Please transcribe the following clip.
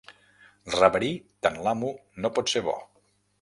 Reverir tant l'amo no pot ser bo.